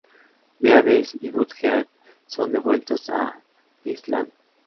Beavis y Butt-Head son devueltos a Highland.